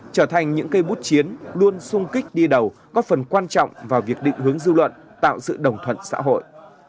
trở thành những cây bút chiến luôn sung kích đi đầu có phần quan trọng vào việc định hướng dư luận tạo sự đồng thuận xã hội